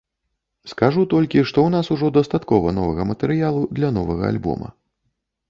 Скажу толькі, што ў нас ужо дастаткова новага матэрыялу для новага альбома.